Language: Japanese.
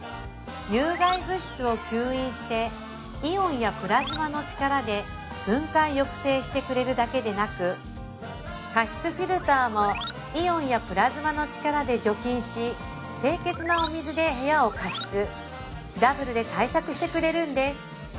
有害物質を吸引してイオンやプラズマの力で分解抑制してくれるだけでなく加湿フィルターもイオンやプラズマの力で除菌し清潔なお水で部屋を加湿ダブルで対策してくれるんです